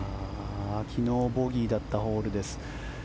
昨日ボギーだったホールです。